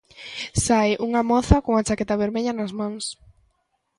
Sae unha moza cunha chaqueta vermella nas mans.